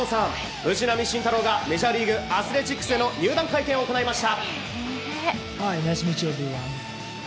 藤浪晋太郎がメジャーリーグアスレチックスへの入団会見を行いました。